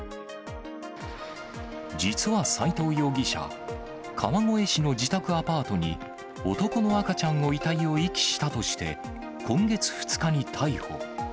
実は斎藤容疑者、川越市の自宅アパートに、男の赤ちゃんの遺体を遺棄したとして、今月２日に逮捕。